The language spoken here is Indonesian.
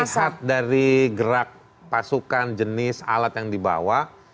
melihat dari gerak pasukan jenis alat yang dibawa